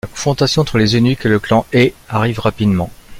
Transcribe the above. La confrontation entre les eunuques et le clan He arrive rapidement.